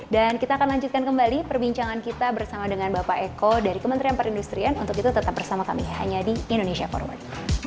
dan kita akan lanjutkan kembali perbincangan kita bersama dengan bapak eko dari kementerian perindustrian untuk itu tetap bersama kami hanya di indonesia forward